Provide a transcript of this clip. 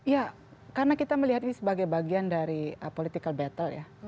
ya karena kita melihat ini sebagai bagian dari political battle ya